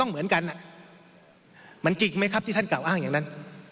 มันจริงมั้ยครับที่ท่านเก่าอ้างอย่างนั้น